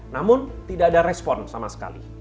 namun tidak ada respon sama sekali